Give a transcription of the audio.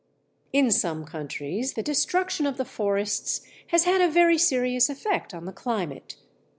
In some countries the destruction of the forests has had a very serious effect on the climate.